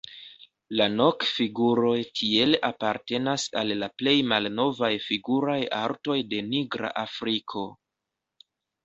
La Nok-figuroj tiel apartenas al la plej malnovaj figuraj artoj de Nigra Afriko.